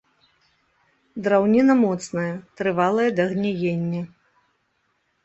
Драўніна моцная, трывалая да гніення.